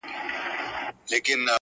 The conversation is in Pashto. د آتشي غرو د سکروټو د لاوا لوري؛